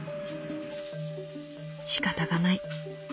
「しかたがない。